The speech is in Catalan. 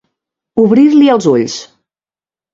Obrir-li els ulls.